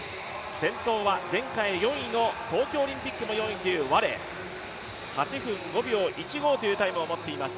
先頭は前回４位に東京オリンピックの４位というワレ８分５秒１５というタイムを持っています。